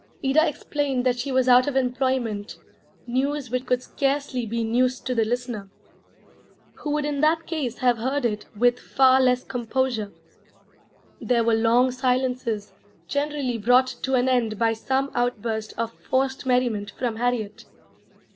Ida explained that she was out of employment, news which could scarcely be news to the listener, who would in that case have heard it with far less composure. There were long silences, generally brought to an end by some outburst of forced merriment from Harriet.